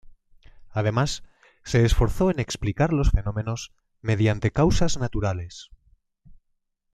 Además, se esforzó en explicar los fenómenos mediante causas naturales.